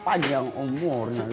panjang umurnya lo